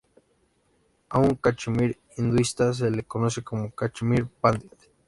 A un cachemir hinduista se le conoce como "cachemir pandit".